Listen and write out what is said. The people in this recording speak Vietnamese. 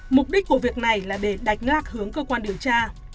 mục đích của việc này là để đạch ngạc hướng cơ quan điều tra